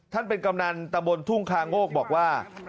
ท่านเป็นกำนันตะบนทุ่งคาโงกบอกว่า